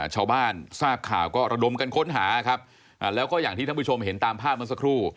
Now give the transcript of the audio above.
ชาวบ้านทราบข่าวก็ระดมกันค้นหาครับแล้วก็อย่างที่ท่านผู้ชมเห็นตามภาพเมื่อสักครู่